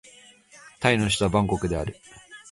タイの首都はバンコクである